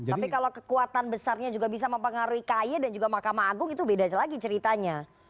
tapi kalau kekuatan besarnya juga bisa mempengaruhi kaye dan juga mahkamah agung itu beda lagi ceritanya